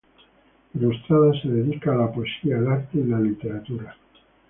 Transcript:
Ilustrada, se dedica a la poesía, el arte y la literatura.